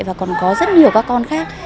và còn có rất nhiều các con khác